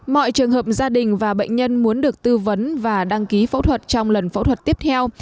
mọi trường hợp gia đình và bệnh nhân muốn được tư vấn và đăng ký phẫu thuật trong lần phẫu thuật tiếp theo